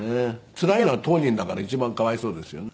つらいのは当人だから一番かわいそうですよね。